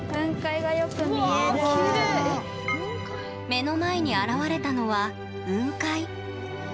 目の前に現れたのは、雲海。